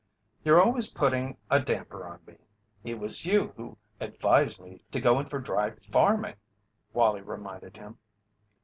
"You're always putting a damper on me. It was you who advised me to go in for dry farming," Wallie reminded him.